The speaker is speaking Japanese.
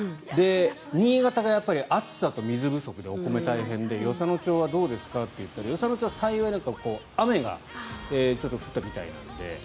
新潟が暑さと水不足でお米大変で与謝野町はどうですかと言ったら与謝野町は幸い雨が降ったようで。